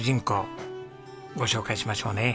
ご紹介しましょうね。